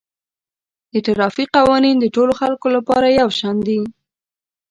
د ټرافیک قوانین د ټولو خلکو لپاره یو شان دي